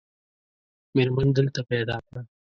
مېرمن دلته پیدا کړه.